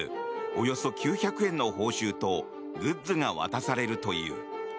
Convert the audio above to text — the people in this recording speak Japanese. およそ９００円の報酬とグッズが渡されるという。